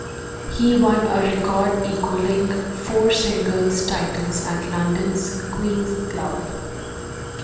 He won a record-equalling four singles titles at London's Queen's Club.